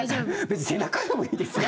別に背中でもいいですよ。